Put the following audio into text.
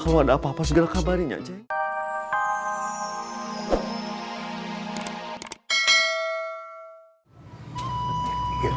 kalau ada apa apa segala kabarinya aja ya